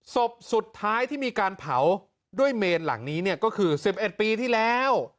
ศพสุดท้ายที่มีการเผาด้วยเมนหลังนี้เนี่ยก็คือ๑๑ปีที่แล้ว